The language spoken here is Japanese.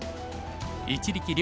一力遼